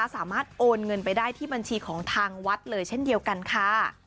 โอนเงินไปได้ที่บัญชีของทางวัดเลยเช่นเดียวกันค่ะ